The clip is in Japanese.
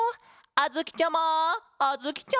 あづきちゃま！